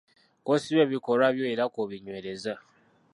Kw'osiba ebikolwa byo era kw'obinywereza.